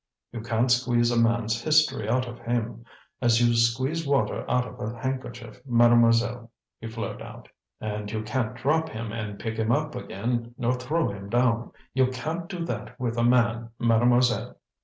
"You can't squeeze a man's history out of him, as you squeeze water out of a handkerchief, Mademoiselle," he flared out. "And you can't drop him and pick him up again, nor throw him down. You can't do that with a man, Mademoiselle!"